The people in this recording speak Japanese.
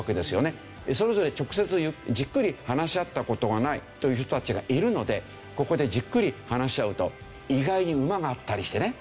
それぞれ直接じっくり話し合った事がないという人たちがいるのでここでじっくり話し合うと意外に馬が合ったりしてね。